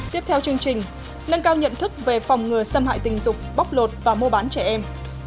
tiếp theo chương trình nâng cao nhận thức về phòng ngừa xâm hại tình dục bóc lột và mua bán trẻ em